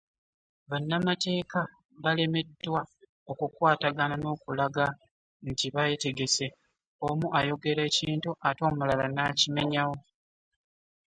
Bannamateeka balemeddwa okukwatagana n’okulaga nti beetegese, Omu ayogera ekintu ate omulala n’akimenyawo.